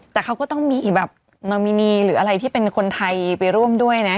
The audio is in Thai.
แต่เขาก็ต้องมีแบบนอมินีหรืออะไรที่เป็นคนไทยไปร่วมด้วยนะ